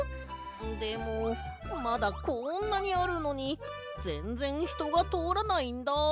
でもまだこんなにあるのにぜんぜんひとがとおらないんだ。